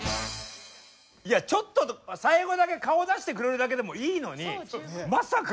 いやちょっと最後だけ顔出してくれるだけでもいいのにまさか。